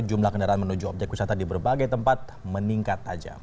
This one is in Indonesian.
jumlah kendaraan menuju objek wisata di berbagai tempat meningkat tajam